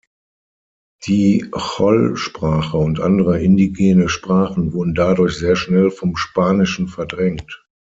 Die Chol-Sprache und andere indigene Sprachen wurden dadurch sehr schnell vom Spanischen verdrängt.